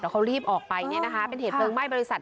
เขารีบออกไปเนี่ยนะคะเป็นเหตุเพลิงไหม้บริษัท